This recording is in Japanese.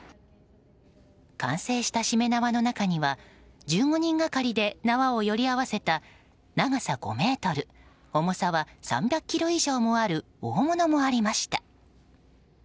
完成した、しめ縄の中には１５人がかりで縄をより合わせた、長さ５ｍ重さは３００ｋｇ以上もある大物もありました。